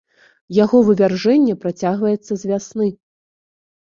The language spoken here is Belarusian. Яго вывяржэнне працягваецца з вясны.